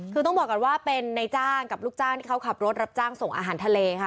คือต้องบอกก่อนว่าเป็นในจ้างกับลูกจ้างที่เขาขับรถรับจ้างส่งอาหารทะเลค่ะ